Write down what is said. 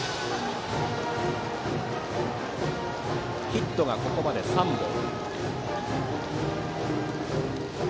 ヒットがここまで３本。